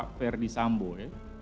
pak ferdis sambo ya